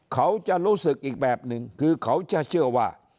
เขาจะรู้สึกอีกแบบหนึ่งคือเขาจะเชื่อว่า